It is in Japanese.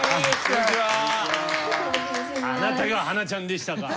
あなたが花菜ちゃんでしたか。